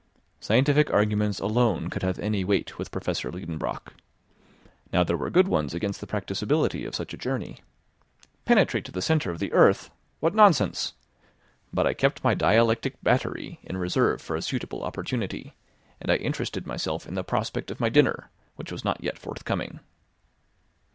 Scientific arguments alone could have any weight with Professor Liedenbrock. Now there were good ones against the practicability of such a journey. Penetrate to the centre of the earth! What nonsense! But I kept my dialectic battery in reserve for a suitable opportunity, and I interested myself in the prospect of my dinner, which was not yet forthcoming.